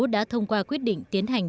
đã thông qua quyết định tiến hành